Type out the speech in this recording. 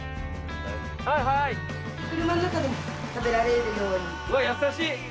はいはい。